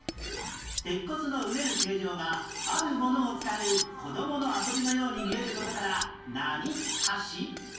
鉄骨のうねる形状がある物を使う子供の遊びのように見える事から何はし？